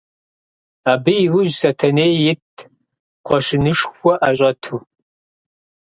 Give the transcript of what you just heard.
Абы иужь Сэтэней итт, кхъуэщынышхуэ ӏэщӏэту.